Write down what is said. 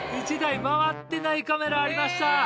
１台回ってないカメラありました